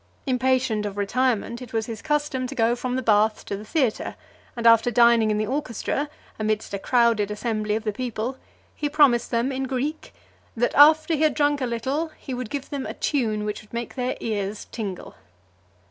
Impatient of retirement, it was his custom to go from the bath to the theatre; and after dining in the orchestra, amidst a crowded assembly of the people, he promised them in Greek , "that after he had drank a little, he would give them a tune which would make their ears tingle."